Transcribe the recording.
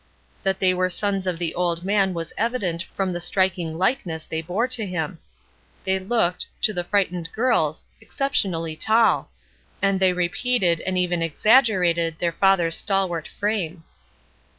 That they were sons of the old man was evident from the striking Ukeness they bore to him. They looked, to the frightened girls, exceptionally tall, and they repeated and even exaggerated their father's stalwart frame.